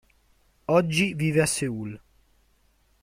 Oggi vive a Seoul.